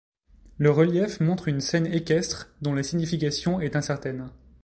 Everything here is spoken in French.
Le relief montre une scène équestre dont la signification est incertaine.